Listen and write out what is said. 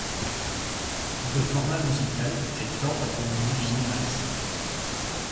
De format musical, elle tend à devenir généraliste.